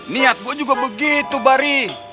niat gue juga begitu bary